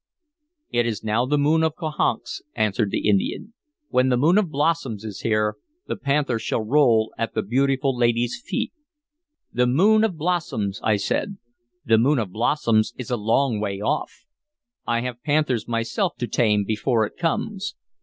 "It is now the moon of cohonks," answered the Indian. "When the moon of blossoms is here, the panther shall roll at the beautiful lady's feet." "The moon of blossoms!" I said. "The moon of blossoms is a long way off. I have panthers myself to tame before it comes.